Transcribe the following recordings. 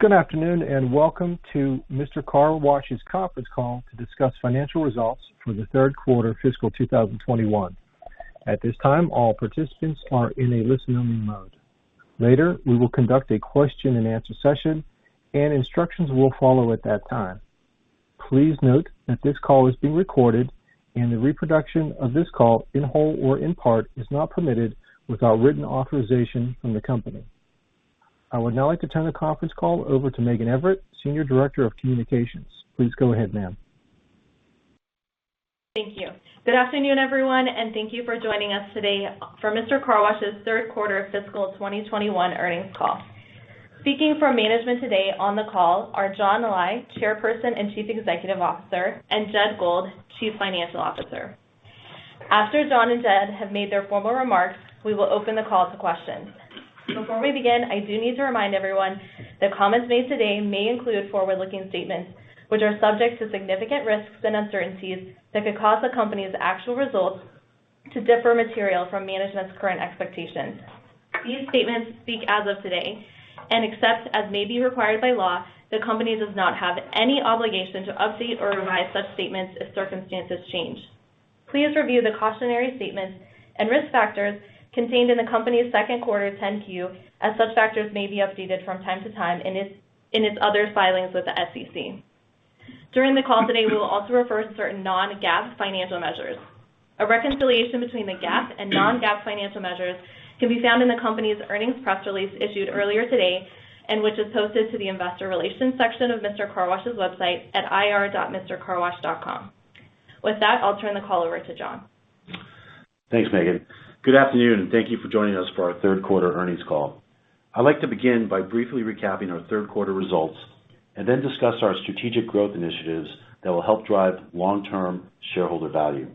Good afternoon, and welcome to Mister Car Wash's conference call to discuss financial results for the third quarter fiscal 2021. At this time, all participants are in a listen-only mode. Later, we will conduct a question-and-answer session, and instructions will follow at that time. Please note that this call is being recorded and the reproduction of this call, in whole or in part, is not permitted without written authorization from the company. I would now like to turn the conference call over to Megan Everett, Senior Director of Communications. Please go ahead, ma'am. Thank you. Good afternoon, everyone, and thank you for joining us today for Mister Car Wash's third quarter fiscal 2021 earnings call. Speaking for management today on the call are John Lai, Chairperson and Chief Executive Officer, and Jed Gold, Chief Financial Officer. After John and Jed have made their formal remarks, we will open the call to questions. Before we begin, I do need to remind everyone that comments made today may include forward-looking statements which are subject to significant risks and uncertainties that could cause the company's actual results to differ materially from management's current expectations. These statements speak as of today, and except as may be required by law, the company does not have any obligation to update or revise such statements if circumstances change. Please review the cautionary statements and risk factors contained in the company's second quarter 10-Q, as such factors may be updated from time to time in its other filings with the SEC. During the call today, we will also refer to certain non-GAAP financial measures. A reconciliation between the GAAP and non-GAAP financial measures can be found in the company's earnings press release issued earlier today and which is posted to the investor relations section of Mister Car Wash's website at ir.mistercarwash.com. With that, I'll turn the call over to John Lai. Thanks, Megan Everett. Good afternoon, and thank you for joining us for our third quarter earnings call. I'd like to begin by briefly recapping our third quarter results and then discuss our strategic growth initiatives that will help drive long-term shareholder value.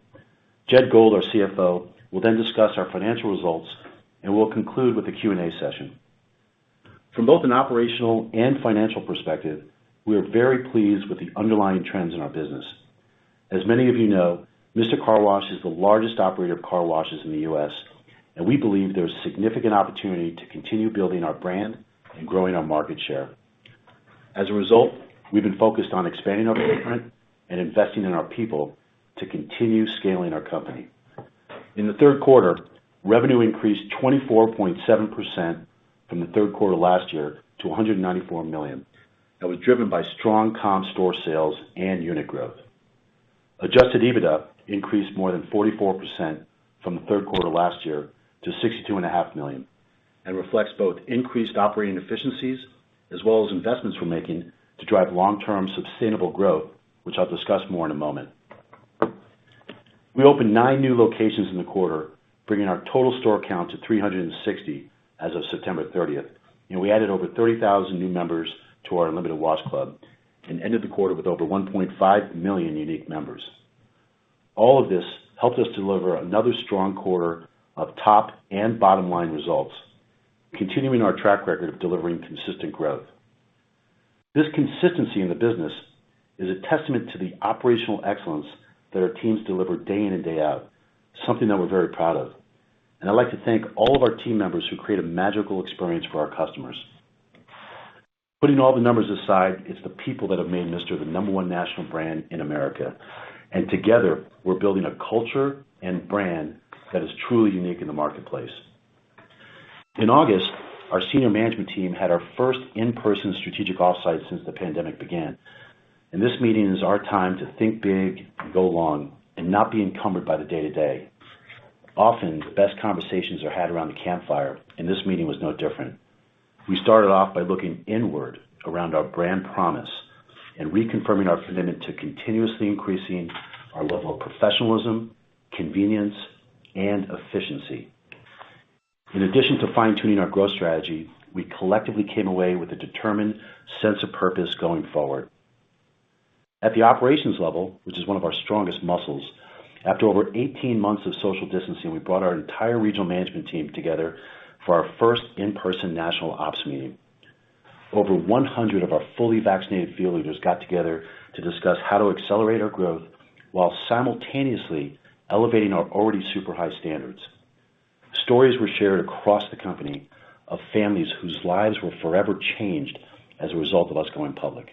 Jed Gold, our Chief Financial Officer, will then discuss our financial results, and we'll conclude with the Q&A session. From both an operational and financial perspective, we are very pleased with the underlying trends in our business. As many of you know, Mister Car Wash is the largest operator of car washes in the U.S., and we believe there's significant opportunity to continue building our brand and growing our market share. As a result, we've been focused on expanding our footprint and investing in our people to continue scaling our company. In the third quarter, revenue increased 24.7% from the third quarter last year to $194 million. That was driven by strong comp store sales and unit growth. Adjusted EBITDA increased more than 44% from the third quarter last year to $62.5 million, and reflects both increased operating efficiencies as well as investments we're making to drive long-term sustainable growth, which I'll discuss more in a moment. We opened nine new locations in the quarter, bringing our total store count to 360 as of September 30, and we added over 30,000 new members to our Unlimited Wash Club and ended the quarter with over 1.5 million unique members. All of this helped us deliver another strong quarter of top and bottom line results, continuing our track record of delivering consistent growth. This consistency in the business is a testament to the operational excellence that our teams deliver day in and day out, something that we're very proud of. I'd like to thank all of our team members who create a magical experience for our customers. Putting all the numbers aside, it's the people that have made Mister the number one national brand in America. Together, we're building a culture and brand that is truly unique in the marketplace. In August, our senior management team had our first in-person strategic offsite since the pandemic began, and this meeting is our time to think big and go long and not be encumbered by the day-to-day. Often, the best conversations are had around the campfire, and this meeting was no different. We started off by looking inward around our brand promise and reconfirming our commitment to continuously increasing our level of professionalism, convenience, and efficiency. In addition to fine-tuning our growth strategy, we collectively came away with a determined sense of purpose going forward. At the operations level, which is one of our strongest muscles, after over 18 months of social distancing, we brought our entire regional management team together for our first in-person national ops meeting. Over 100 of our fully vaccinated field leaders got together to discuss how to accelerate our growth while simultaneously elevating our already super high standards. Stories were shared across the company of families whose lives were forever changed as a result of us going public.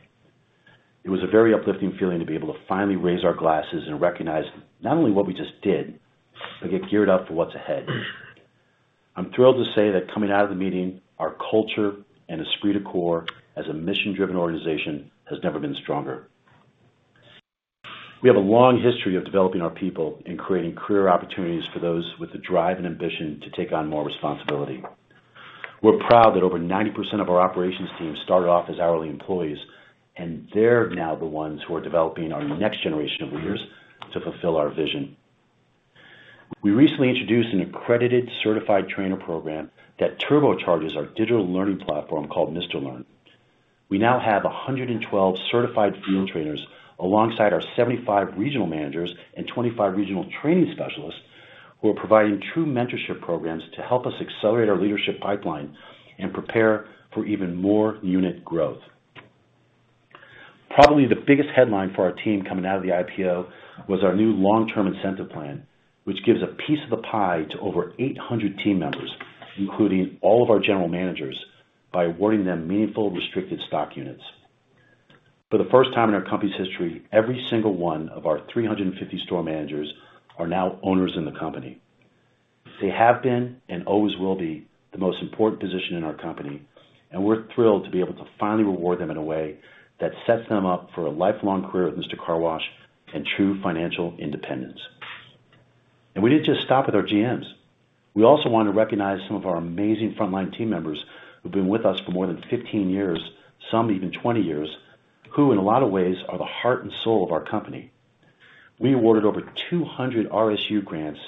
It was a very uplifting feeling to be able to finally raise our glasses and recognize not only what we just did, but get geared up for what's ahead. I'm thrilled to say that coming out of the meeting, our culture and esprit de corps as a mission-driven organization has never been stronger. We have a long history of developing our people and creating career opportunities for those with the drive and ambition to take on more responsibility. We're proud that over 90% of our operations team started off as hourly employees, and they're now the ones who are developing our next generation of leaders to fulfill our vision. We recently introduced an accredited certified trainer program that turbocharges our digital learning platform called Mister Learn. We now have 112 certified field trainers alongside our 75 regional managers and 25 regional training specialists who are providing true mentorship programs to help us accelerate our leadership pipeline and prepare for even more unit growth. Probably the biggest headline for our team coming out of the IPO was our new long-term incentive plan, which gives a piece of the pie to over 800 team members, including all of our general managers, by awarding them meaningful restricted stock units. For the first time in our company's history, every single one of our 350 store managers are now owners in the company. They have been and always will be the most important position in our company, and we're thrilled to be able to finally reward them in a way that sets them up for a lifelong career at Mister Car Wash and true financial independence. We didn't just stop with our GMs. We also want to recognize some of our amazing frontline team members who've been with us for more than 15 years, some even 20 years, who in a lot of ways are the heart and soul of our company. We awarded over 200 RSU grants,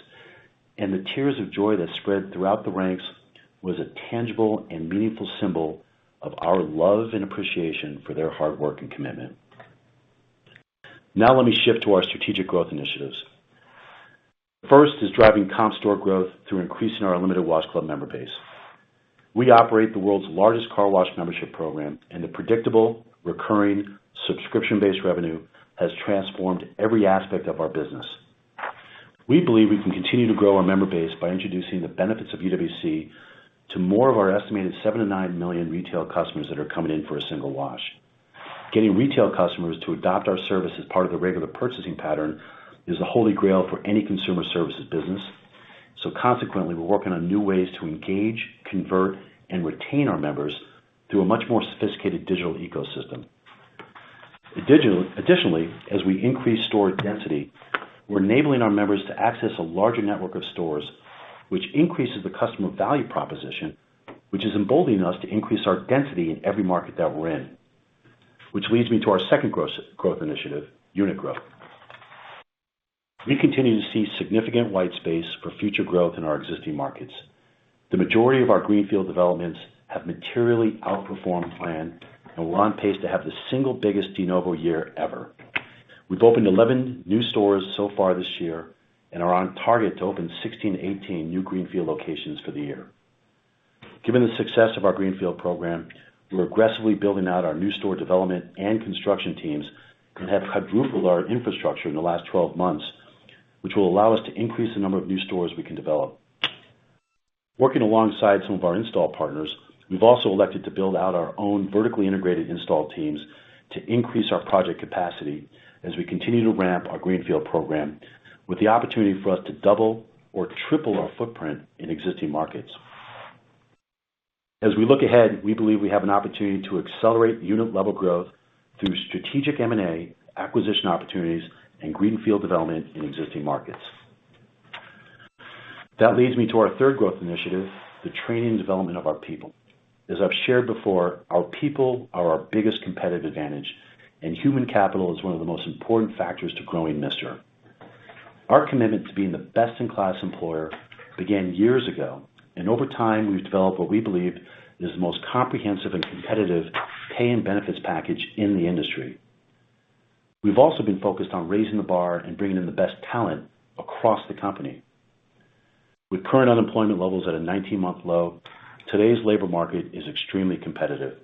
and the tears of joy that spread throughout the ranks was a tangible and meaningful symbol of our love and appreciation for their hard work and commitment. Now let me shift to our strategic growth initiatives. First is driving comp store growth through increasing our Unlimited Wash Club member base. We operate the world's largest car wash membership program, and the predictable, recurring, subscription-based revenue has transformed every aspect of our business. We believe we can continue to grow our member base by introducing the benefits of UWC to more of our estimated seven-nine million retail customers that are coming in for a single wash. Getting retail customers to adopt our service as part of their regular purchasing pattern is the Holy Grail for any consumer services business. Consequently, we're working on new ways to engage, convert, and retain our members through a much more sophisticated digital ecosystem. Additionally, as we increase store density, we're enabling our members to access a larger network of stores, which increases the customer value proposition, which is emboldening us to increase our density in every market that we're in. Which leads me to our second growth initiative, unit growth. We continue to see significant white space for future growth in our existing markets. The majority of our greenfield developments have materially outperformed plan, and we're on pace to have the single biggest de novo year ever. We've opened 11 new stores so far this year and are on target to open 16-18 new greenfield locations for the year. Given the success of our greenfield program, we're aggressively building out our new store development and construction teams and have quadrupled our infrastructure in the last 12 months, which will allow us to increase the number of new stores we can develop. Working alongside some of our install partners, we've also elected to build out our own vertically integrated install teams to increase our project capacity as we continue to ramp our greenfield program with the opportunity for us to double or triple our footprint in existing markets. As we look ahead, we believe we have an opportunity to accelerate unit-level growth through strategic M&A, acquisition opportunities, and greenfield development in existing markets. That leads me to our third growth initiative, the training and development of our people. As I've shared before, our people are our biggest competitive advantage, and human capital is one of the most important factors to growing Mister. Our commitment to being the best-in-class employer began years ago, and over time, we've developed what we believe is the most comprehensive and competitive pay and benefits package in the industry. We've also been focused on raising the bar and bringing in the best talent across the company. With current unemployment levels at a 19-month low, today's labor market is extremely competitive.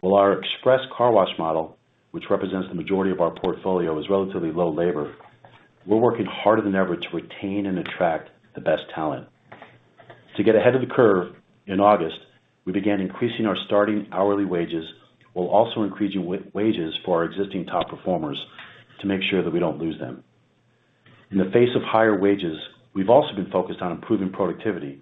While our express car wash model, which represents the majority of our portfolio, is relatively low labor, we're working harder than ever to retain and attract the best talent. To get ahead of the curve, in August, we began increasing our starting hourly wages. We're also increasing wages for our existing top performers to make sure that we don't lose them. In the face of higher wages, we've also been focused on improving productivity,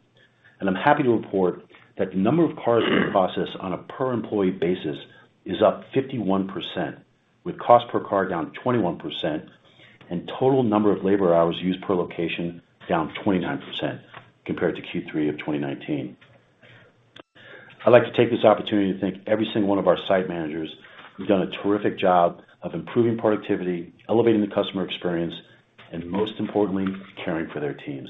and I'm happy to report that the number of cars we process on a per-employee basis is up 51%, with cost per car down 21% and total number of labor hours used per location down 29% compared to Q3 of 2019. I'd like to take this opportunity to thank every single one of our site managers who've done a terrific job of improving productivity, elevating the customer experience, and most importantly, caring for their teams.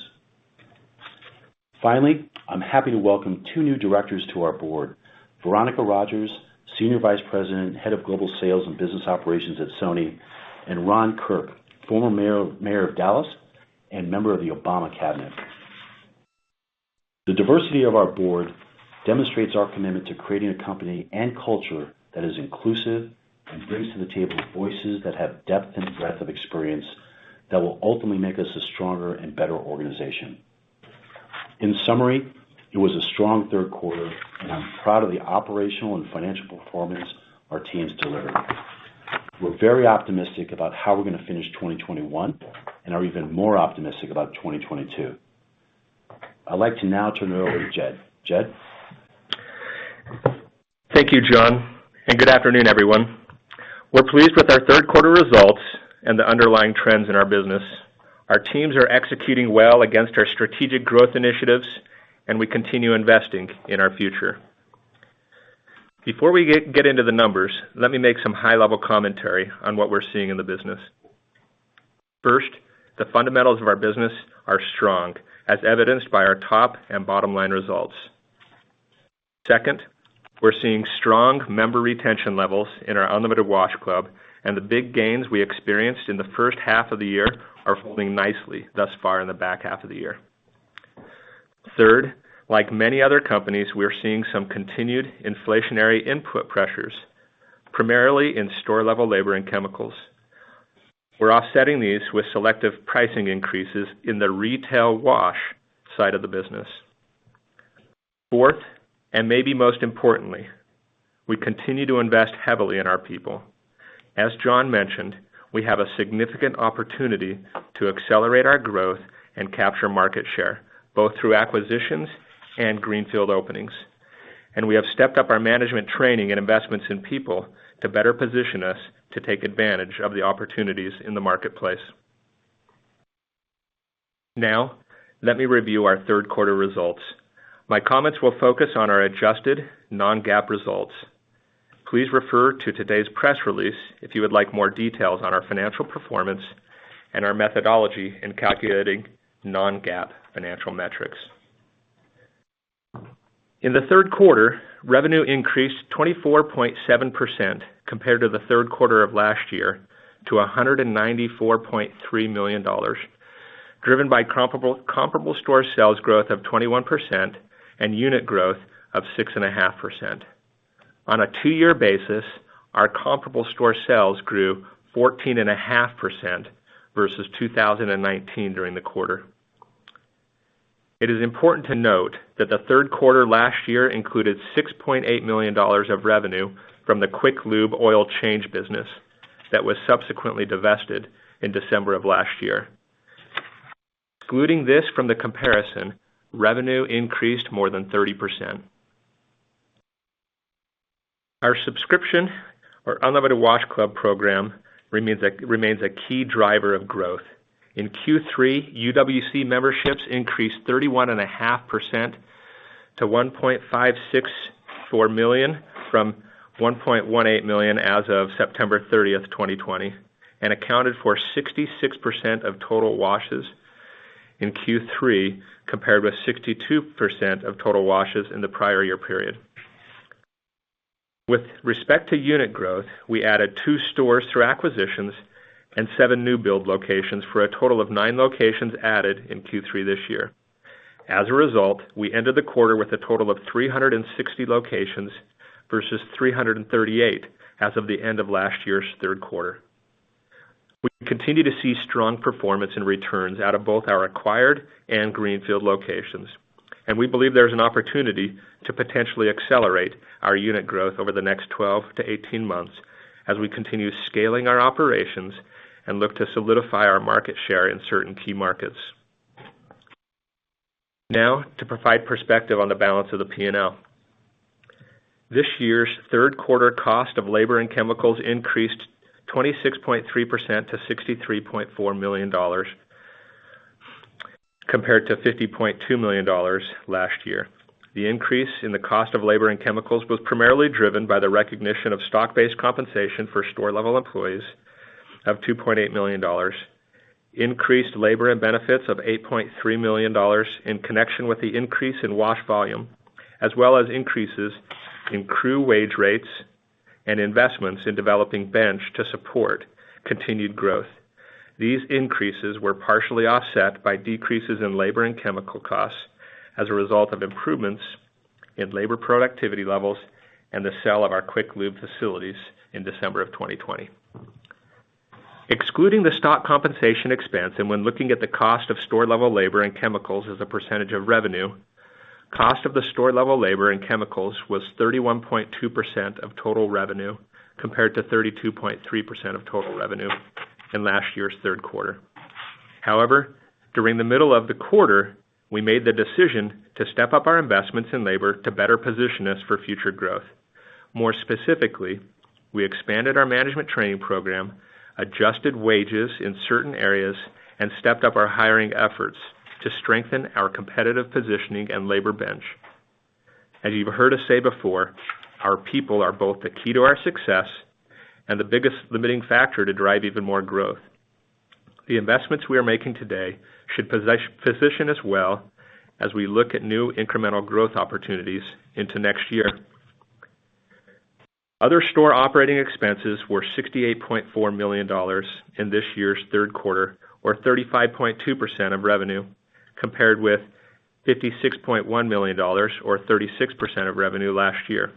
Finally, I'm happy to welcome two new directors to our board, Veronica Rogers, Senior Vice President of Head of Global Sales and Business Operations at Sony, and Ron Kirk, former Mayor of Dallas and member of the Obama cabinet. The diversity of our board demonstrates our commitment to creating a company and culture that is inclusive and brings to the table voices that have depth and breadth of experience that will ultimately make us a stronger and better organization. In summary, it was a strong third quarter, and I'm proud of the operational and financial performance our team's delivering. We're very optimistic about how we're gonna finish 2021 and are even more optimistic about 2022. I'd like to now turn it over to Jed Gold. Jed? Thank you, John Lai, and good afternoon, everyone. We're pleased with our third quarter results and the underlying trends in our business. Our teams are executing well against our strategic growth initiatives, and we continue investing in our future. Before we get into the numbers, let me make some high-level commentary on what we're seeing in the business. First, the fundamentals of our business are strong, as evidenced by our top and bottom-line results. Second, we're seeing strong member retention levels in our Unlimited Wash Club, and the big gains we experienced in the first half of the year are holding nicely thus far in the back half of the year. Third, like many other companies, we are seeing some continued inflationary input pressures, primarily in store level labor and chemicals. We're offsetting these with selective pricing increases in the retail wash side of the business. Fourth, and maybe most importantly, we continue to invest heavily in our people. As John Lai mentioned, we have a significant opportunity to accelerate our growth and capture market share, both through acquisitions and greenfield openings. We have stepped up our management training and investments in people to better position us to take advantage of the opportunities in the marketplace. Now, let me review our third quarter results. My comments will focus on our adjusted non-GAAP results. Please refer to today's press release if you would like more details on our financial performance and our methodology in calculating non-GAAP financial metrics. In the third quarter, revenue increased 24.7% compared to the third quarter of last year, to $194.3 million, driven by comparable store sales growth of 21% and unit growth of 6.5%. On a two-year basis, our comparable store sales grew 14.5% versus 2019 during the quarter. It is important to note that the third quarter last year included $6.8 million of revenue from the Quick Lube oil change business that was subsequently divested in December of last year. Excluding this from the comparison, revenue increased more than 30%. Our subscription, our Unlimited Wash Club program, remains a key driver of growth. In Q3, UWC memberships increased 31.5% to 1.564 million from 1.18 million as of September 30, 2020, and accounted for 66% of total washes in Q3, compared with 62% of total washes in the prior year period. With respect to unit growth, we added two stores through acquisitions and seven new build locations for a total of nine locations added in Q3 this year. As a result, we ended the quarter with a total of 360 locations versus 338 as of the end of last year's third quarter. We continue to see strong performance and returns out of both our acquired and greenfield locations, and we believe there is an opportunity to potentially accelerate our unit growth over the next 12-18 months as we continue scaling our operations and look to solidify our market share in certain key markets. Now, to provide perspective on the balance of the P&L. This year's third quarter cost of labor and chemicals increased 26.3% to $63.4 million, compared to $50.2 million last year. The increase in the cost of labor and chemicals was primarily driven by the recognition of stock-based compensation for store level employees of $2.8 million, increased labor and benefits of $8.3 million in connection with the increase in wash volume, as well as increases in crew wage rates and investments in developing bench to support continued growth. These increases were partially offset by decreases in labor and chemical costs as a result of improvements in labor productivity levels and the sale of our Quick Lube facilities in December 2020. Excluding the stock compensation expense and when looking at the cost of store level labor and chemicals as a percentage of revenue, cost of the store level labor and chemicals was 31.2% of total revenue, compared to 32.3% of total revenue in last year's third quarter. However, during the middle of the quarter, we made the decision to step up our investments in labor to better position us for future growth. More specifically, we expanded our management training program, adjusted wages in certain areas, and stepped up our hiring efforts to strengthen our competitive positioning and labor bench. As you've heard us say before, our people are both the key to our success and the biggest limiting factor to drive even more growth. The investments we are making today should position us well as we look at new incremental growth opportunities into next year. Other store operating expenses were $68.4 million in this year's third quarter, or 35.2% of revenue, compared with $56.1 million or 36% of revenue last year.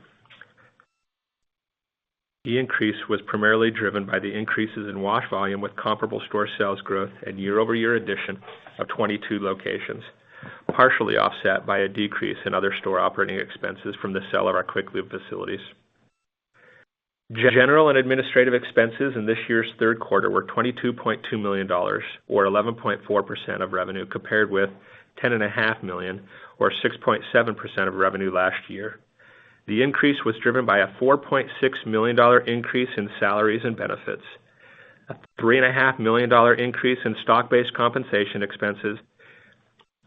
The increase was primarily driven by the increases in wash volume with comparable store sales growth and year-over-year addition of 22 locations, partially offset by a decrease in other store operating expenses from the sale of our Quick Lube facilities. General and administrative expenses in this year's third quarter were $22.2 million or 11.4% of revenue, compared with $10.5 million or 6.7% of revenue last year. The increase was driven by a $4.6 million increase in salaries and benefits, a $3.5 million increase in stock-based compensation expenses,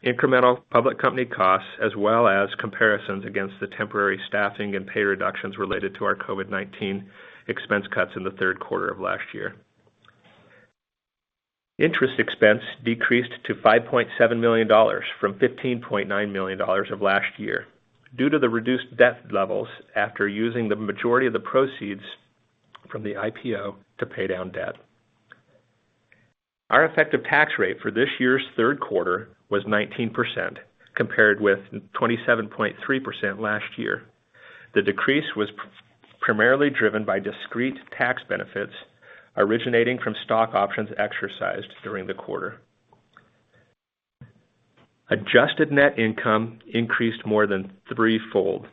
incremental public company costs, as well as comparisons against the temporary staffing and pay reductions related to our COVID-19 expense cuts in the third quarter of last year. Interest expense decreased to $5.7 million from $15.9 million of last year due to the reduced debt levels after using the majority of the proceeds from the IPO to pay down debt. Our effective tax rate for this year's third quarter was 19%, compared with 27.3% last year. The decrease was primarily driven by discrete tax benefits originating from stock options exercised during the quarter. Adjusted net income increased more than threefold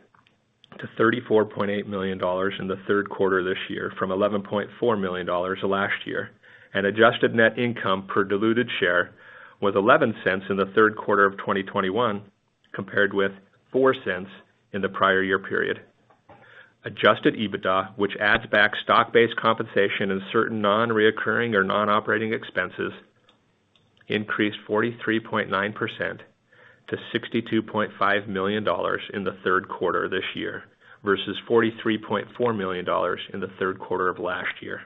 to $34.8 million in the third quarter this year from $11.4 million last year, and adjusted net income per diluted share was $0.11 in the third quarter of 2021, compared with $0.04 in the prior year period. Adjusted EBITDA, which adds back stock-based compensation and certain non-reoccurring or non-operating expenses, increased 43.9% to $62.5 million in the third quarter this year versus $43.4 million in the third quarter of last year.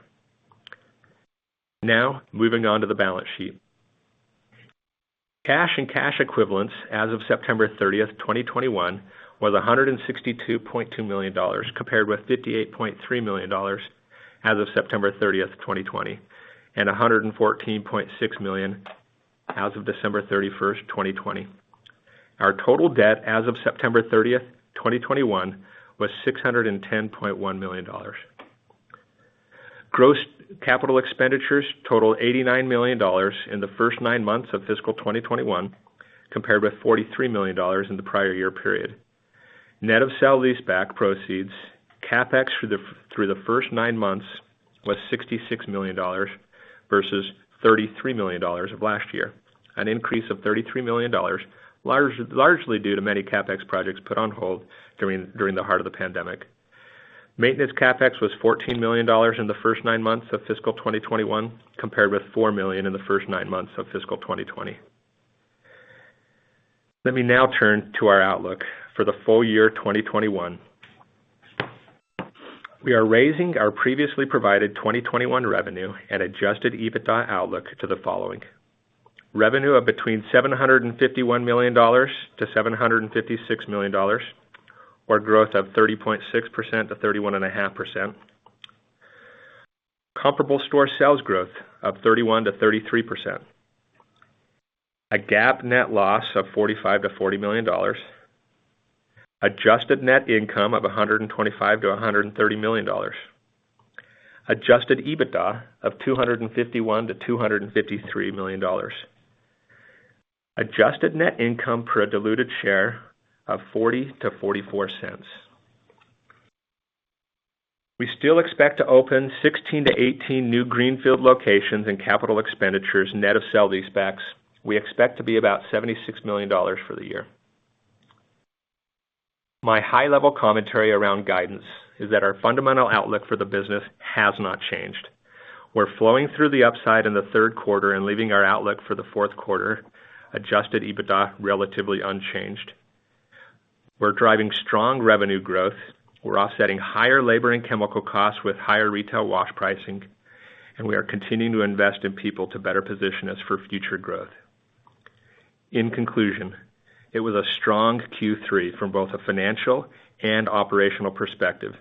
Now, moving on to the balance sheet. Cash and cash equivalents as of September 30, 2021 was $162.2 million, compared with $58.3 million as of September 30, 2020, and $114.6 million as of December 31, 2020. Our total debt as of September 30, 2021 was $610.1 million. Gross capital expenditures totaled $89 million in the first nine months of fiscal 2021, compared with $43 million in the prior year period. Net of sale-leaseback proceeds, CapEx through the first nine months was $66 million versus $33 million of last year, an increase of $33 million, largely due to many CapEx projects put on hold during the heart of the pandemic. Maintenance CapEx was $14 million in the first nine months of fiscal 2021, compared with $4 million in the first nine months of fiscal 2020. Let me now turn to our outlook for the full year 2021. We are raising our previously provided 2021 revenue and adjusted EBITDA outlook to the following: Revenue of between $751 million to $756 million, or growth of 30.6% to 31.5%. Comparable store sales growth of 31%-33%. A GAAP net loss of $45 million-$40 million. Adjusted net income of $125 million-$130 million. Adjusted EBITDA of $251 million-$253 million. Adjusted net income per diluted share of $0.40-$0.44. We still expect to open 16-18 new greenfield locations and capital expenditures, net of sale leasebacks, we expect to be about $76 million for the year. My high-level commentary around guidance is that our fundamental outlook for the business has not changed. We're flowing through the upside in the third quarter and leaving our outlook for the fourth quarter adjusted EBITDA relatively unchanged. We're driving strong revenue growth. We're offsetting higher labor and chemical costs with higher retail wash pricing, and we are continuing to invest in people to better position us for future growth. In conclusion, it was a strong Q3 from both a financial and operational perspective,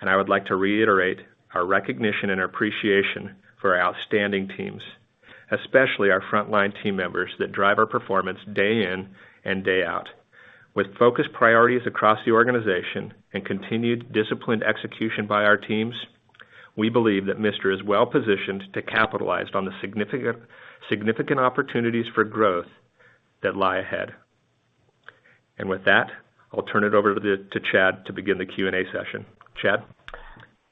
and I would like to reiterate our recognition and appreciation for our outstanding teams, especially our frontline team members that drive our performance day in and day out. With focused priorities across the organization and continued disciplined execution by our teams, we believe that Mister is well-positioned to capitalize on the significant opportunities for growth that lie ahead. With that, I'll turn it over to Chad to begin the Q&A session. Chad?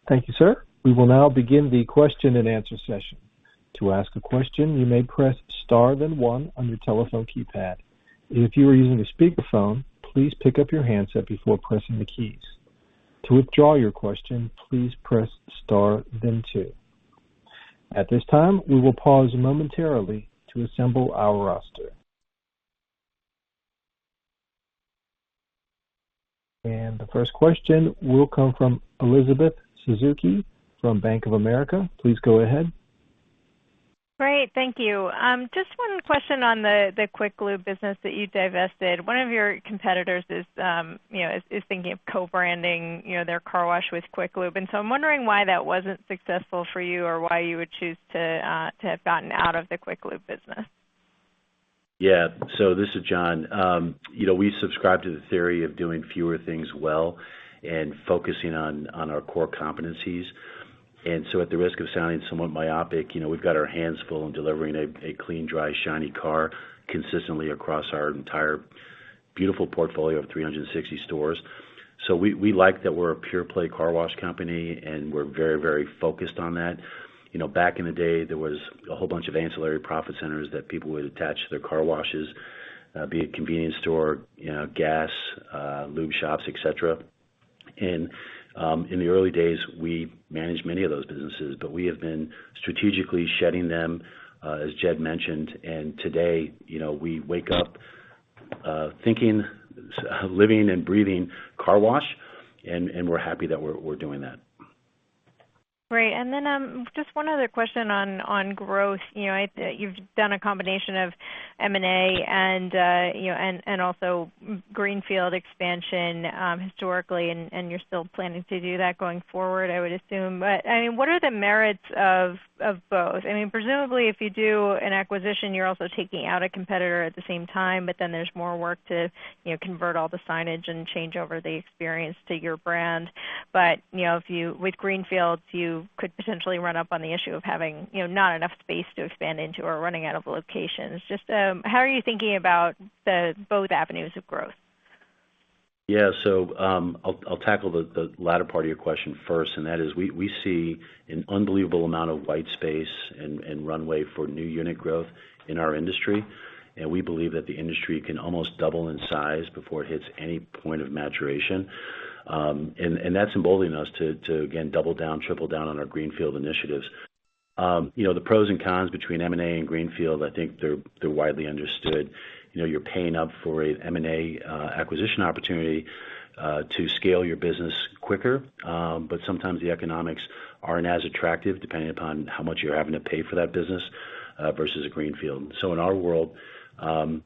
Thank you, sir. We will now begin the question-and-answer session. To ask a question, you may press star then one on your telephone keypad. If you are using a speakerphone, please pick up your handset before pressing the keys. To withdraw your question, please press star then two. At this time, we will pause momentarily to assemble our roster. The first question will come from Elizabeth Suzuki from Bank of America, please go ahead. Great. Thank you. Just one question on the Quick Lube business that you divested. One of your competitors is thinking of co-branding, you know, their car wash with Quick Lube. I'm wondering why that wasn't successful for you or why you would choose to have gotten out of the Quick Lube business. Yeah. This is John Lai. You know, we subscribe to the theory of doing fewer things well and focusing on our core competencies. At the risk of sounding somewhat myopic, you know, we've got our hands full in delivering a clean, dry, shiny car consistently across our entire beautiful portfolio of 360 stores. We like that we're a pure play car wash company, and we're very, very focused on that. You know, back in the day, there was a whole bunch of ancillary profit centers that people would attach to their car washes, be it convenience store, you know, gas, lube shops, et cetera. In the early days, we managed many of those businesses, but we have been strategically shedding them, as Jed Gold mentioned. Today, you know, we wake up thinking, living, and breathing car wash, and we're happy that we're doing that. Great. Just one other question on growth. You know, you've done a combination of M&A and also greenfield expansion historically, and you're still planning to do that going forward, I would assume. I mean, what are the merits of both? I mean, presumably, if you do an acquisition, you're also taking out a competitor at the same time, but then there's more work to, you know, convert all the signage and change over the experience to your brand. You know, if you with greenfields, you could potentially run up on the issue of having, you know, not enough space to expand into or running out of locations. Just how are you thinking about the both avenues of growth? Yeah. I'll tackle the latter part of your question first, and that is we see an unbelievable amount of white space and runway for new unit growth in our industry. We believe that the industry can almost double in size before it hits any point of maturation. That's emboldening us to again double down, triple down on our greenfield initiatives. You know, the pros and cons between M&A and greenfield, I think they're widely understood. You know, you're paying up for a M&A acquisition opportunity to scale your business quicker. Sometimes the economics aren't as attractive depending upon how much you're having to pay for that business, versus a greenfield. In our world,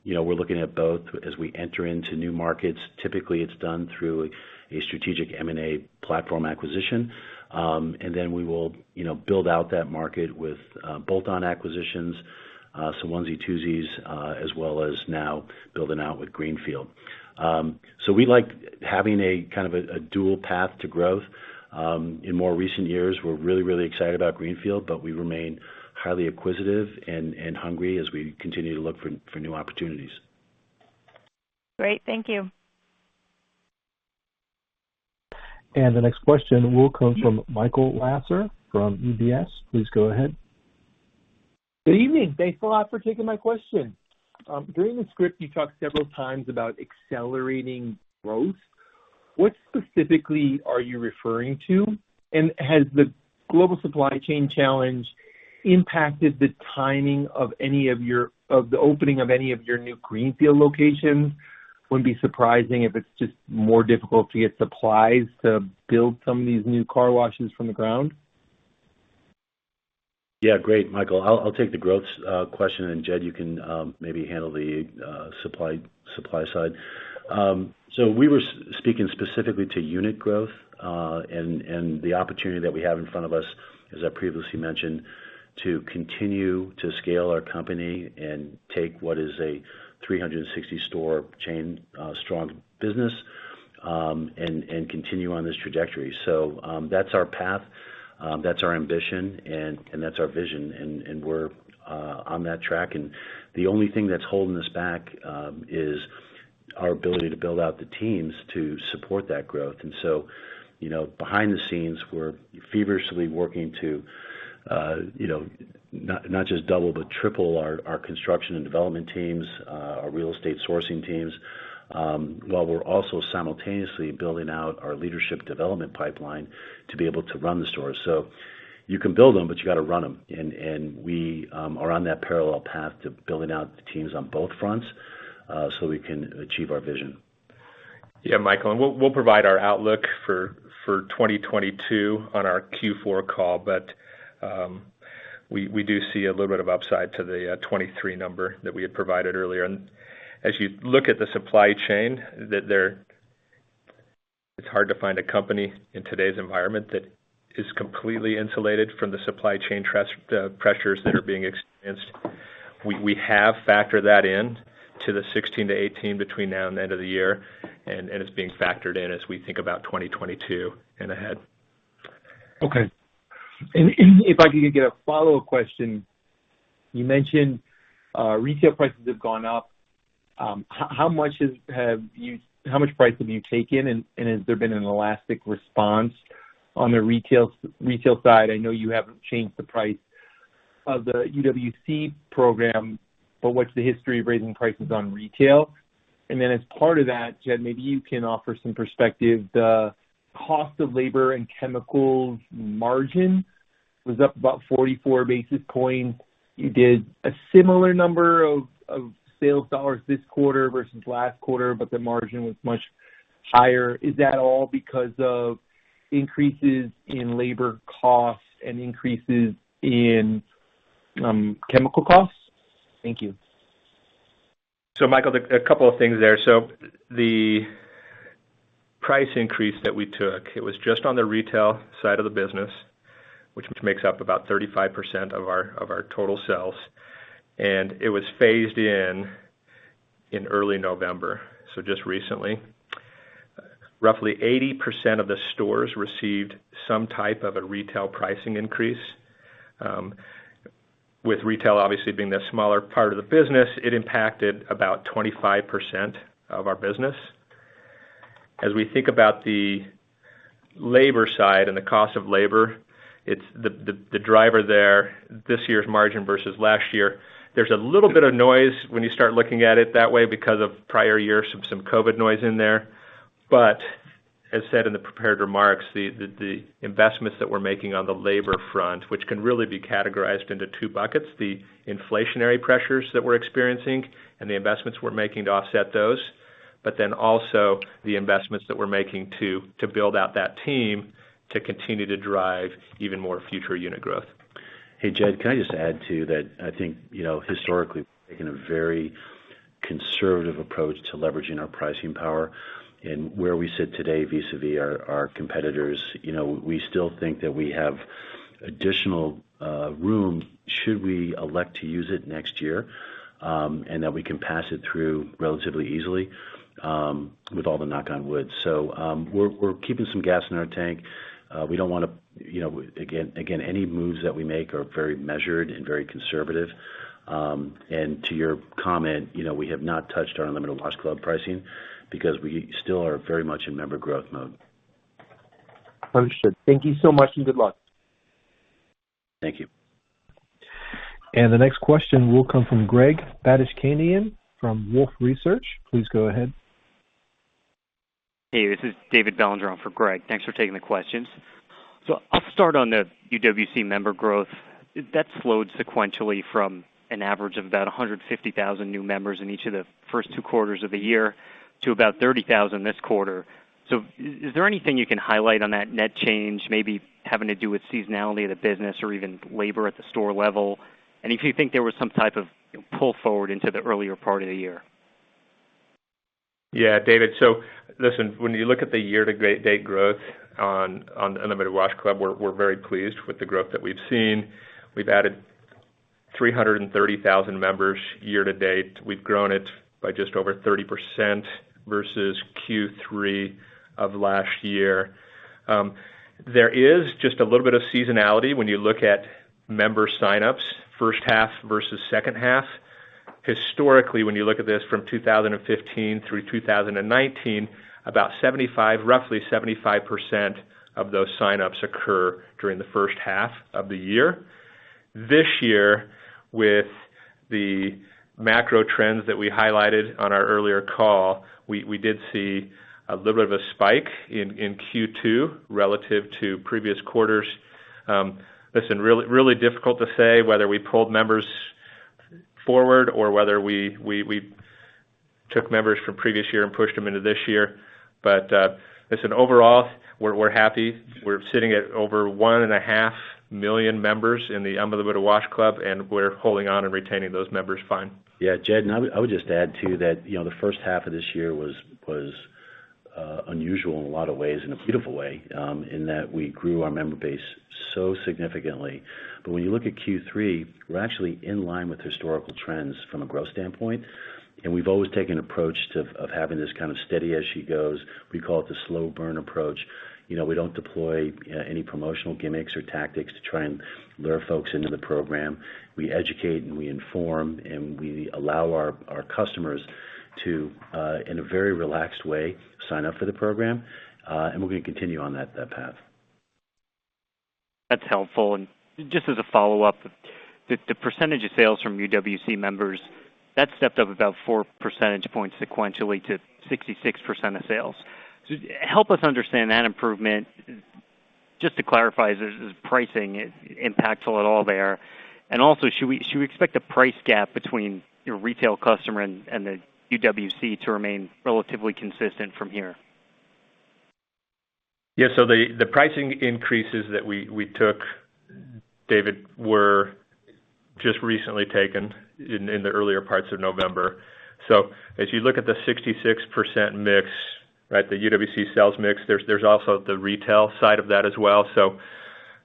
you know, we're looking at both. As we enter into new markets, typically, it's done through a strategic M&A platform acquisition. Then we will, you know, build out that market with bolt-on acquisitions, some onesie-twosies, as well as now building out with greenfield. We like having kind of a dual path to growth. In more recent years, we're really excited about greenfield, but we remain highly acquisitive and hungry as we continue to look for new opportunities. Great. Thank you. The next question will come from Michael Lasser from UBS, please go ahead. Good evening. Thanks a lot for taking my question. During the script, you talked several times about accelerating growth. What specifically are you referring to? And has the global supply chain challenge impacted the timing of the opening of any of your new greenfield locations? Wouldn't be surprising if it's just more difficult to get supplies to build some of these new car washes from the ground. Yeah. Great, Michael Lasser. I'll take the growth question, and Jed Gold, you can maybe handle the supply side. We were speaking specifically to unit growth and the opportunity that we have in front of us, as I previously mentioned, to continue to scale our company and take what is a 360-store chain strong business and continue on this trajectory. That's our path, that's our ambition, and that's our vision. We're on that track. The only thing that's holding us back is our ability to build out the teams to support that growth. You know, behind the scenes, we're feverishly working to, you know, not just double but triple our construction and development teams, our real estate sourcing teams, while we're also simultaneously building out our leadership development pipeline to be able to run the stores. You can build them, but you gotta run them. We are on that parallel path to building out the teams on both fronts, so we can achieve our vision. Yeah, Michael. We'll provide our outlook for 2022 on our Q4 call, but we do see a little bit of upside to the 2023 number that we had provided earlier. As you look at the supply chain, it's hard to find a company in today's environment that is completely insulated from the supply chain pressures that are being experienced. We have factored that in to the 16-18 between now and the end of the year, and it's being factored in as we think about 2022 and ahead. Okay. If I could get a follow-up question. You mentioned retail prices have gone up. How much price have you taken, and has there been an elastic response on the retail side? I know you haven't changed the price of the UWC program, but what's the history of raising prices on retail? Then as part of that, Jed Gold, maybe you can offer some perspective. The cost of labor and chemicals margin was up about 44 basis points. You did a similar number of sales dollars this quarter versus last quarter, but the margin was much higher. Is that all because of increases in labor costs and increases in chemical costs? Thank you. Michael, a couple of things there. The price increase that we took, it was just on the retail side of the business, which makes up about 35% of our total sales, and it was phased in in early November, so just recently. Roughly 80% of the stores received some type of a retail pricing increase. With retail obviously being the smaller part of the business, it impacted about 25% of our business. As we think about the labor side and the cost of labor, it's the driver there, this year's margin versus last year. There's a little bit of noise when you start looking at it that way because of prior years, some COVID noise in there. As said in the prepared remarks, the investments that we're making on the labor front, which can really be categorized into two buckets, the inflationary pressures that we're experiencing and the investments we're making to offset those. Also, the investments that we're making to build out that team to continue to drive even more future unit growth. Hey, Jed, can I just add to that? I think, you know, historically, we've taken a very conservative approach to leveraging our pricing power. Where we sit today vis-a-vis our competitors, you know, we still think that we have additional room, should we elect to use it next year, and that we can pass it through relatively easily, with all the knock on wood. We're keeping some gas in our tank. We don't wanna, you know, again, any moves that we make are very measured and very conservative. To your comment, you know, we have not touched our Unlimited Wash Club pricing because we still are very much in member growth mode. Understood. Thank you so much, and good luck. Thank you. The next question will come from Greg Badishkanian from Wolfe Research, please go ahead. Hey, this is David Bellinger on for Greg. Thanks for taking the questions. I'll start on the UWC member growth. That slowed sequentially from an average of about 150,000 new members in each of the first two quarters of the year to about 30,000 this quarter. Is there anything you can highlight on that net change, maybe having to do with seasonality of the business or even labor at the store level? If you think there was some type of pull forward into the earlier part of the year. Yeah, David. Listen, when you look at the year to date growth on Unlimited Wash Club, we're very pleased with the growth that we've seen. We've added 330,000 members year to date. We've grown it by just over 30% versus Q3 of last year. There is just a little bit of seasonality when you look at member sign-ups, first half versus second half. Historically, when you look at this from 2015 through 2019, about 75%, roughly 75% of those sign-ups occur during the first half of the year. This year, with the macro trends that we highlighted on our earlier call, we did see a little bit of a spike in Q2 relative to previous quarters. Listen, really difficult to say whether we pulled members forward or whether we took members from previous year and pushed them into this year. Listen, overall, we're happy. We're sitting at over 1.5 million members in the Unlimited Wash Club, and we're holding on and retaining those members fine. Yeah, Jed, I would just add to that, you know, the first half of this year was unusual in a lot of ways, in a beautiful way, in that we grew our member base so significantly. When you look at Q3, we're actually in line with historical trends from a growth standpoint, and we've always taken approach of having this kind of steady as she goes. We call it the slow burn approach. You know, we don't deploy any promotional gimmicks or tactics to try and lure folks into the program. We educate, and we inform, and we allow our customers to in a very relaxed way sign up for the program. We're gonna continue on that path. That's helpful. Just as a follow-up, the percentage of sales from UWC members that stepped up about 4 percentage points sequentially to 66% of sales. Help us understand that improvement. Just to clarify, is pricing impactful at all there? Also, should we expect a price gap between your retail customer and the UWC to remain relatively consistent from here? Yeah. The pricing increases that we took, David, were just recently taken in the earlier parts of November. As you look at the 66% mix, right? The UWC sales mix, there's also the retail side of that as well.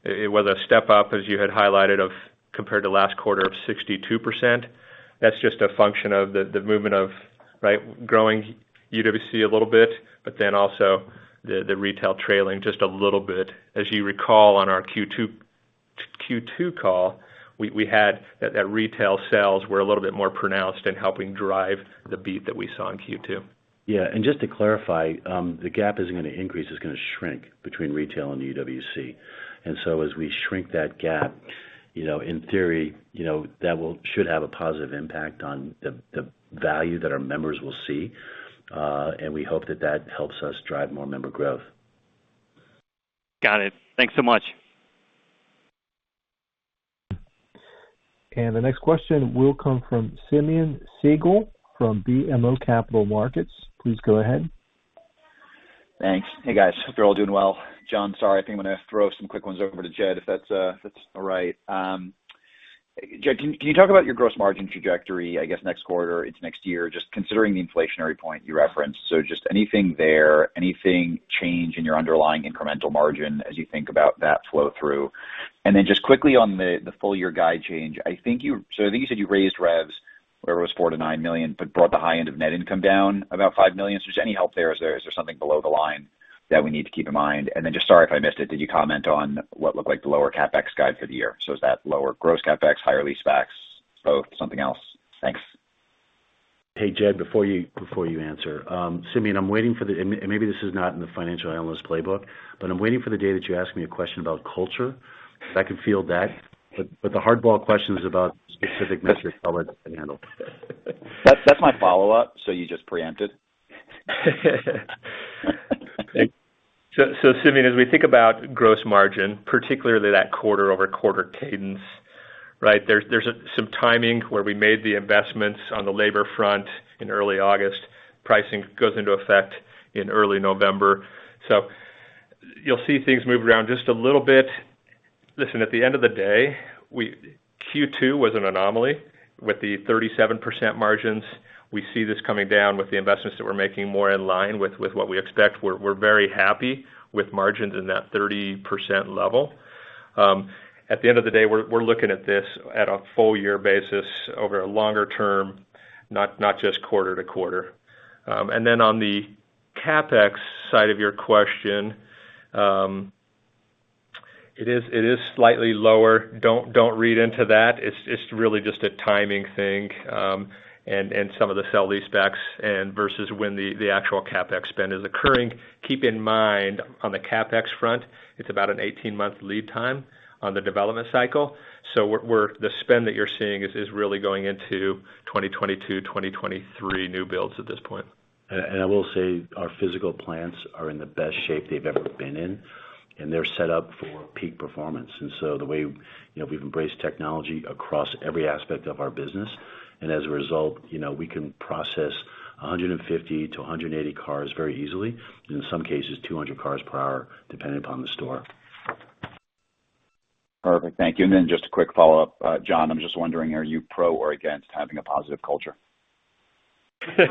It was a step up, as you had highlighted of, compared to last quarter of 62%. That's just a function of the movement of, right, growing UWC a little bit, but then also the retail trailing just a little bit. As you recall on our Q2 call, we had that retail sales were a little bit more pronounced in helping drive the beat that we saw in Q2. Yeah. Just to clarify, the gap isn't gonna increase, it's gonna shrink between retail and UWC. As we shrink that gap, you know, in theory, you know, that should have a positive impact on the value that our members will see, and we hope that helps us drive more member growth. Got it. Thanks so much. The next question will come from Simeon Siegel from BMO Capital Markets, please go ahead. Thanks. Hey, guys. Hope you're all doing well. John, sorry, I think I'm gonna throw some quick ones over to Jed, if that's all right. Jed, can you talk about your gross margin trajectory, I guess, next quarter into next year, just considering the inflationary point you referenced? Just anything there, anything change in your underlying incremental margin as you think about that flow through. Then just quickly on the full year guide change. I think you said you raised revs, whatever it was, $4 million-$9 million, but brought the high end of net income down about $5 million. Just any help there. Is there something below the line that we need to keep in mind? Just sorry if I missed it. Did you comment on what looked like the lower CapEx guide for the year? Is that lower gross CapEx, higher leasebacks, both, something else? Thanks. Hey, Jed, before you answer. Simeon, I'm waiting for the day that you ask me a question about culture, because I can field that. Maybe this is not in the financial analyst playbook, but the hardball questions about specific metrics, I'll let Jed handle. That's my follow-up. You just preempted. Simeon, as we think about gross margin, particularly that quarter-over-quarter cadence, right? There's some timing where we made the investments on the labor front in early August. Pricing goes into effect in early November. You'll see things move around just a little bit. Listen, at the end of the day, Q2 was an anomaly with the 37% margins. We see this coming down with the investments that we're making more in line with what we expect. We're very happy with margins in that 30% level. At the end of the day, we're looking at this at a full-year basis over a longer term, not just quarter-to-quarter. On the CapEx side of your question, it is slightly lower. Don't read into that. It's really just a timing thing, and some of the sale-leasebacks and versus when the actual CapEx spend is occurring. Keep in mind, on the CapEx front, it's about an 18-month lead time on the development cycle. The spend that you're seeing is really going into 2022, 2023 new builds at this point. I will say our physical plants are in the best shape they've ever been in, and they're set up for peak performance. The way, you know, we've embraced technology across every aspect of our business, and as a result, you know, we can process 150-180 cars very easily, and in some cases, 200 cars per hour, depending upon the store. Perfect. Thank you. Just a quick follow-up. John, I'm just wondering, are you pro or against having a positive culture? That's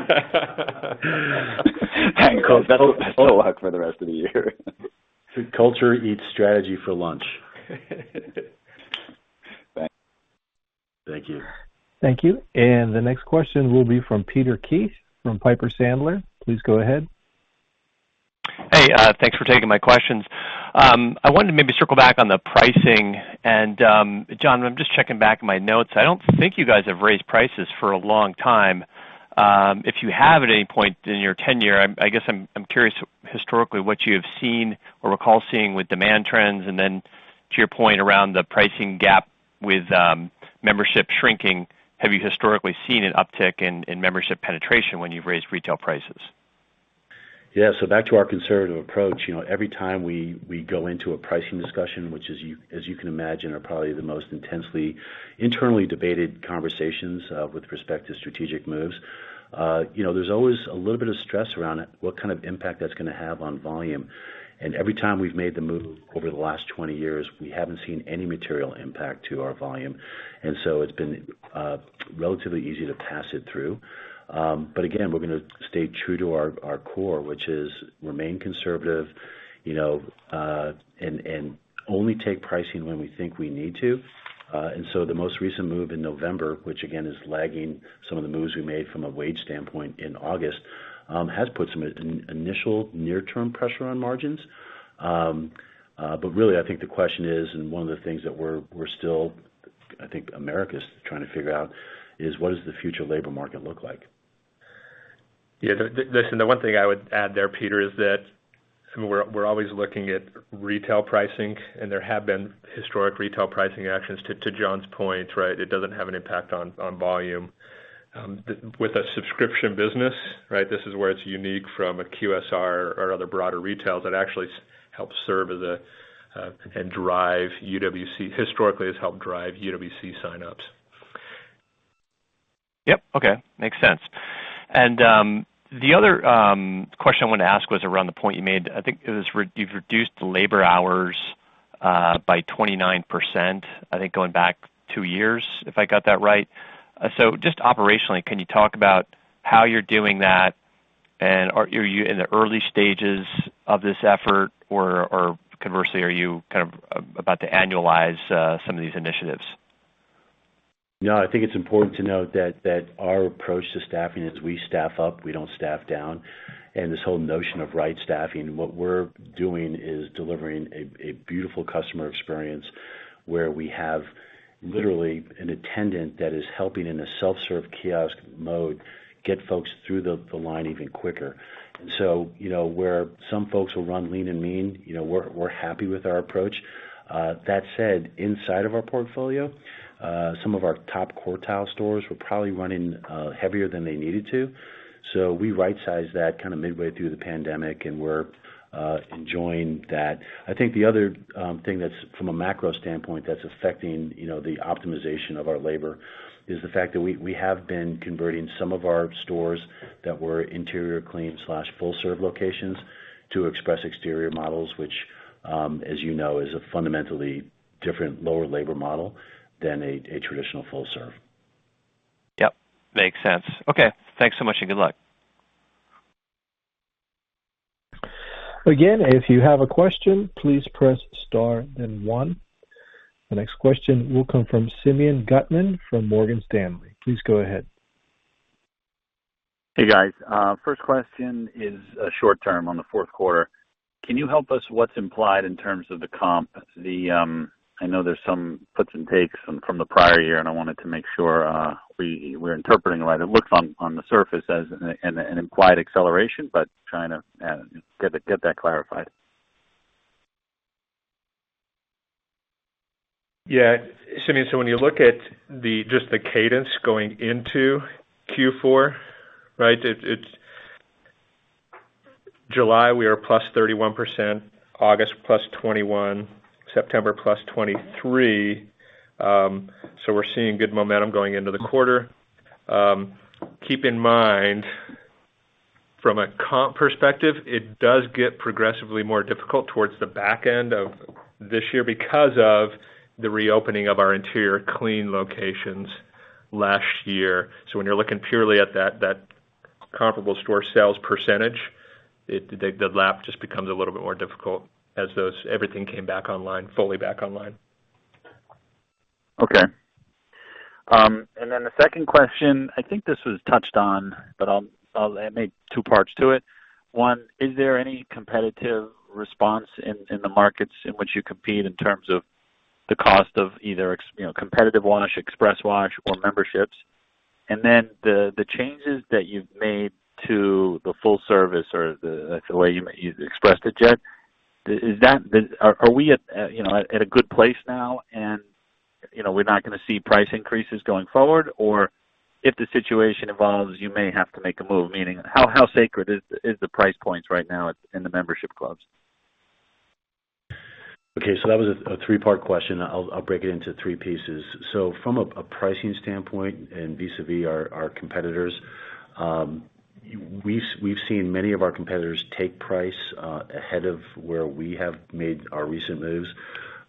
what I'll ask for the rest of the year. Culture eats strategy for lunch. Thanks. Thank you. Thank you. The next question will be from Peter Keith from Piper Sandler, please go ahead. Hey, thanks for taking my questions. I wanted to maybe circle back on the pricing. John, I'm just checking back in my notes. I don't think you guys have raised prices for a long time. If you have at any point in your tenure, I guess I'm curious historically what you have seen or recall seeing with demand trends, and then to your point around the pricing gap with membership shrinking, have you historically seen an uptick in membership penetration when you've raised retail prices? Back to our conservative approach. You know, every time we go into a pricing discussion, which as you can imagine are probably the most intensely internally debated conversations with respect to strategic moves. You know, there's always a little bit of stress around it, what kind of impact that's gonna have on volume. Every time we've made the move over the last 20 years, we haven't seen any material impact to our volume. It's been relatively easy to pass it through. But again, we're gonna stay true to our core, which is remain conservative, you know, and only take pricing when we think we need to. The most recent move in November, which again is lagging some of the moves we made from a wage standpoint in August, has put some initial near-term pressure on margins. Really, I think the question is, and one of the things that we're still, I think America's trying to figure out is what does the future labor market look like? Yeah. Listen, the one thing I would add there, Peter, is that we're always looking at retail pricing, and there have been historic retail pricing actions. To John's point, right, it doesn't have an impact on volume. With a subscription business, right, this is where it's unique from a QSR or other broader retails that actually help serve as a, and drive UWC historically has helped drive UWC sign-ups. Yep. Okay. Makes sense. The other question I wanted to ask was around the point you made. I think it was you've reduced labor hours by 29%, I think going back two years, if I got that right. Just operationally, can you talk about how you're doing that? Are you in the early stages of this effort or conversely, are you kind of about to annualize some of these initiatives? No, I think it's important to note that our approach to staffing is we staff up, we don't staff down. This whole notion of right staffing, what we're doing is delivering a beautiful customer experience where we have literally an attendant that is helping in a self-serve kiosk mode get folks through the line even quicker. You know, where some folks will run lean and mean, you know, we're happy with our approach. That said, inside of our portfolio, some of our top quartile stores were probably running heavier than they needed to. We right-sized that kinda midway through the pandemic, and we're enjoying that. I think the other thing that's from a macro standpoint that's affecting, you know, the optimization of our labor is the fact that we have been converting some of our stores that were interior clean slash full-serve locations to express exterior models, which, as you know, is a fundamentally different lower labor model than a traditional full serve. Yep. Makes sense. Okay. Thanks so much, and good luck. Again, if you have a question, please press star then one. The next question will come from Simeon Gutman from Morgan Stanley, please go ahead. Hey, guys. First question is short term on the fourth quarter. Can you help us what's implied in terms of the comp? I know there's some puts and takes from the prior year, and I wanted to make sure we're interpreting right. It looks on the surface as an implied acceleration, but trying to get that clarified. Yeah. Simeon, when you look at just the cadence going into Q4, right? It's July, we are +31%, August +21%, September +23%. We're seeing good momentum going into the quarter. Keep in mind, from a comp perspective, it does get progressively more difficult towards the back end of this year because of the reopening of our interior clean locations last year. When you're looking purely at that comparable store sales percentage, the lap just becomes a little bit more difficult as those everything came back online, fully back online. Okay. The second question, I think this was touched on, but I'll make two parts to it. One, is there any competitive response in the markets in which you compete in terms of the cost of either you know, competitive wash, express wash or memberships? And then the changes that you've made to the full service or the. That's the way you expressed it, Jed. Is that the. Are we at you know, at a good place now and you know, we're not gonna see price increases going forward? Or if the situation evolves, you may have to make a move. Meaning, how sacred is the price points right now at in the membership clubs? Okay, that was a three-part question. I'll break it into three pieces. From a pricing standpoint and vis-à-vis our competitors, we've seen many of our competitors take price ahead of where we have made our recent moves.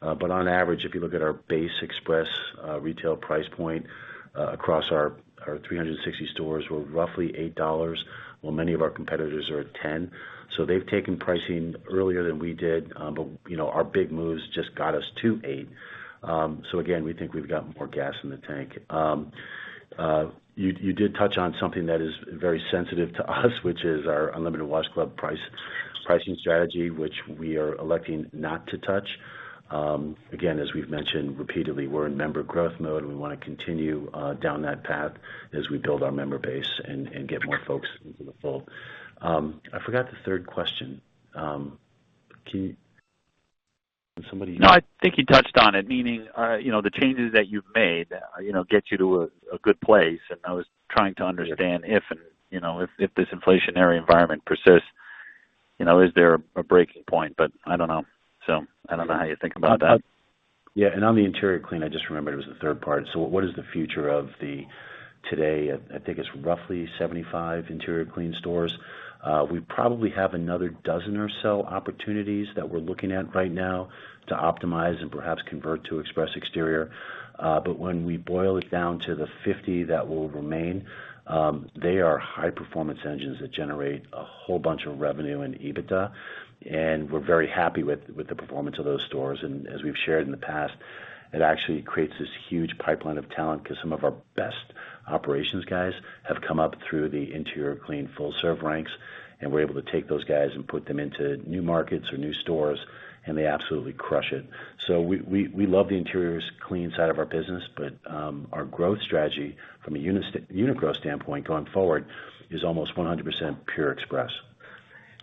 But on average, if you look at our basic express retail price point across our 360 stores, we're roughly $8, while many of our competitors are at $10. They've taken pricing earlier than we did, but you know, our big moves just got us to $8. Again, we think we've got more gas in the tank. You did touch on something that is very sensitive to us, which is our Unlimited Wash Club pricing strategy, which we are electing not to touch. Again, as we've mentioned repeatedly, we're in member growth mode, and we wanna continue down that path as we build our member base and get more folks into the fold. I forgot the third question. Can somebody- No, I think you touched on it, meaning, you know, the changes that you've made, you know, get you to a good place. I was trying to understand if, you know, if this inflationary environment persists, you know, is there a breaking point? I don't know. I don't know how you think about that. On the interior clean, I just remembered it was the third part. What is the future today? I think it's roughly 75 interior clean stores. We probably have another 12 or so opportunities that we're looking at right now to optimize and perhaps convert to express exterior. When we boil it down to the 50 that will remain, they are high-performance engines that generate a whole bunch of revenue and EBITDA, and we're very happy with the performance of those stores. As we've shared in the past, it actually creates this huge pipeline of talent 'cause some of our best operations guys have come up through the interior clean, full serve ranks, and we're able to take those guys and put them into new markets or new stores, and they absolutely crush it. We love the interiors clean side of our business, but our growth strategy from a unit growth standpoint going forward is almost 100% pure express.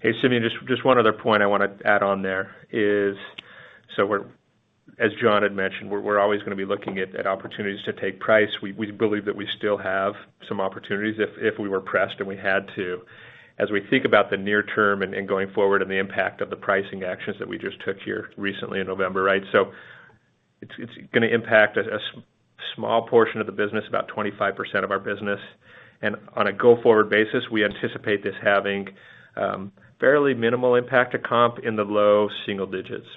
Hey, Simeon, just one other point I wanna add on there is. As John had mentioned, we're always gonna be looking at opportunities to take price. We believe that we still have some opportunities if we were pressed, and we had to, as we think about the near term and going forward and the impact of the pricing actions that we just took here recently in November, right? It's gonna impact a small portion of the business, about 25% of our business. On a go-forward basis, we anticipate this having fairly minimal impact to comp in the low single digits.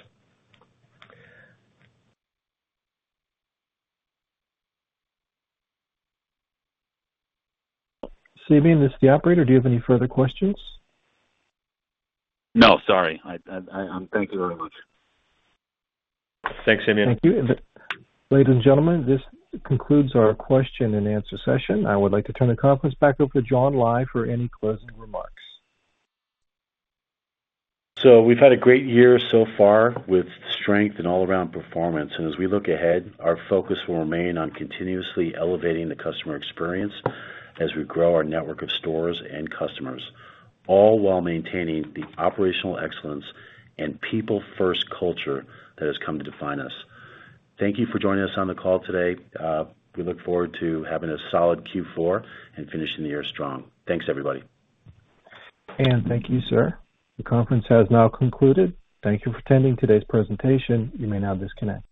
Simeon, this is the operator. Do you have any further questions? No, sorry. I thank you very much. Thanks, Simeon. Thank you. Ladies and gentlemen, this concludes our question-and-answer session. I would like to turn the conference back over to John Lai for any closing remarks. We've had a great year so far with strength and all around performance. As we look ahead, our focus will remain on continuously elevating the customer experience as we grow our network of stores and customers, all while maintaining the operational excellence and people first culture that has come to define us. Thank you for joining us on the call today. We look forward to having a solid Q4 and finishing the year strong. Thanks, everybody. Thank you, sir. The conference has now concluded. Thank you for attending today's presentation, you may now disconnect.